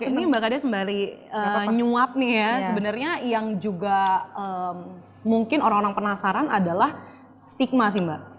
ini mbak kada sembari nyuap nih ya sebenarnya yang juga mungkin orang orang penasaran adalah stigma sih mbak